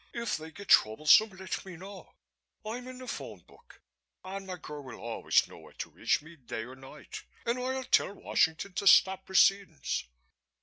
"If they, get troublesome, let me know I'm in the phone book and my girl will always know where to reach me, day or night and I'll tell Washington to stop proceedings.